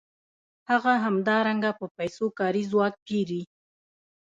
هغه همدارنګه په پیسو کاري ځواک پېري